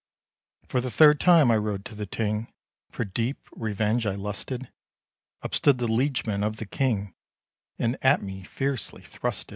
For the third time rode I to the Ting, For deep revenge I lusted; Up stood the liege man of the King, And at me fiercely thrusted.